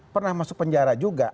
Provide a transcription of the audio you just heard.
pernah masuk penjara juga